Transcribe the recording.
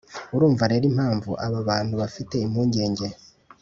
Urumva rero impamvu aba bantu bafite impungenge